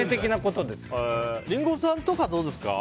リンゴさんとかはどうですか？